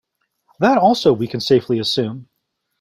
That also we can safely assume.